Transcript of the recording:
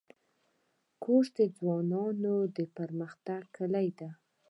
کورس د ځوانانو د پرمختګ کلۍ ده.